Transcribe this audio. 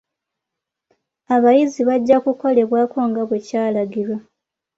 Abayizi bajja kukolebwako nga bwekyalagirwa.